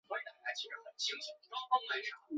拉玛二世派他抵御。